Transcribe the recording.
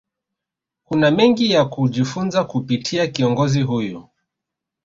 Tuna mengi ya kujifunza kupitia kiongozi huyu